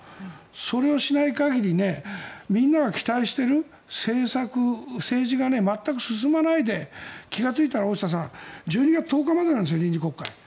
それをしない限りみんなが期待している政策、政治が全く進まないで気がついたら大下さん１２月１０日までなんです臨時国会は。